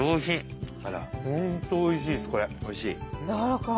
おいしい！